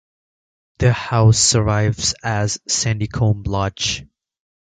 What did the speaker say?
The house survives as Sandycombe Lodge.